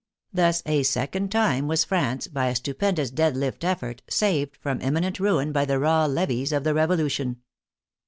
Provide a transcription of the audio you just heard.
Thus a second time was France, by a stupendous dead lift effort, saved from imminent ruin by the raw levies of the Revolution.